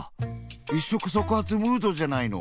一触即発ムードじゃないの！